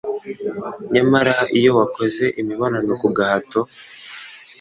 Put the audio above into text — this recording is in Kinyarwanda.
Nyamara iyo wakoze imibonano ku gahato,